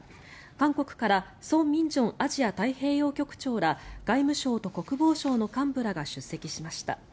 韓国から、ソ・ミンジョンアジア太平洋局長ら外務省と国防省の幹部らが出席しました。